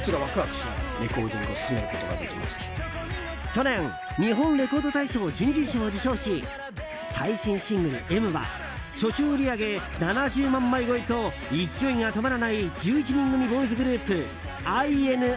去年、日本レコード大賞新人賞を受賞し最新シングル「Ｍ」は初週売り上げ７０万枚超えと勢いが止まらない１１人組ボーイズグループＩＮＩ。